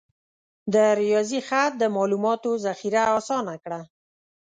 د ریاضي خط د معلوماتو ذخیره آسانه کړه.